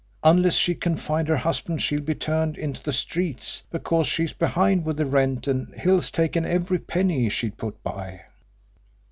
Unless she can find her husband she'll be turned into the streets, because she's behind with the rent, and Hill's taken every penny she'd put by."